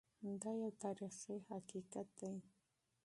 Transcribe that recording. دا یو تاریخي حقیقت دی.